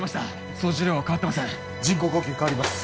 総重量は変わってない人工呼吸代わります